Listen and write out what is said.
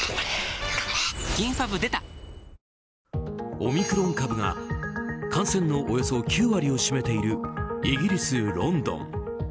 オミクロン株が感染のおよそ９割を占めているイギリス・ロンドン。